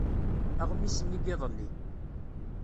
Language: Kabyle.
Aɣmis-nni n yiḍelli.